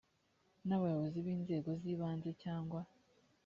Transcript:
n abayobozi b inzego z ibanze cyangwa